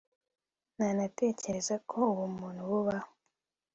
Ntanatekereza ko ubumuntu bubaho